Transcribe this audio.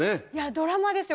ドラマですよ。